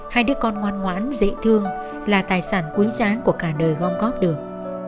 hai đứa con ngoan ngoãn dễ thương là tài sản cuối sáng của cả đời gom góp được